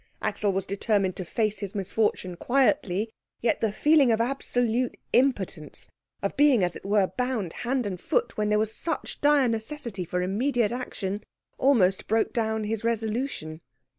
Axel was determined to face his misfortune quietly; yet the feeling of absolute impotence, of being as it were bound hand and foot when there was such dire necessity for immediate action, almost broke down his resolution.